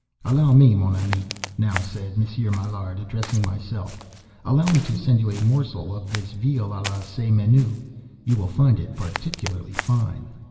"Allow me, mon ami," now said Monsieur Maillard, addressing myself, "allow me to send you a morsel of this veal à la St. Menehoult—you will find it particularly fine."